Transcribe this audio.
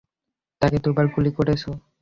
তাকে দুবার গুলি করেছো।